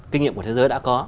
kinh nghiệm của thế giới đã có